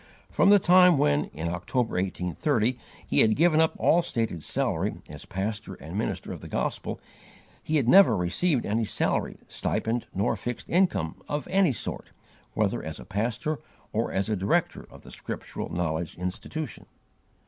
From the time when, in October, 1830, he had given up all stated salary, as pastor and minister of the gospel, he had never received any salary, stipend nor fixed income, of any sort, whether as a pastor or as a director of the Scriptural Knowledge Institution.